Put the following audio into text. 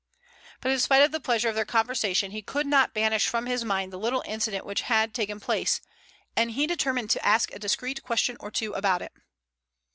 But in spite of the pleasure of their conversation, he could not banish from his mind the little incident which had taken place, and he determined to ask a discreet question or two about it.